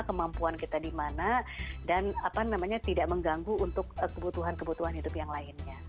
kemampuan kita di mana dan tidak mengganggu untuk kebutuhan kebutuhan hidup yang lainnya